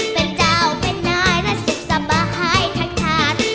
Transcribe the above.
เป็นเจ้าเป็นนายและสิบสบายทักทาส